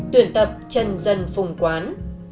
tuyển tập trần dân phùng quán